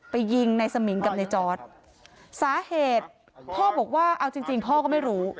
ไปยิงในสมิงกับในจอร์ดสาเหตุพ่อบอกว่าเอาจริงจริงพ่อก็ไม่รู้